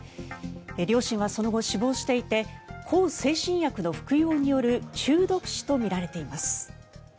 両親はその後、死亡していて向精神薬の服用による中毒死とみられています。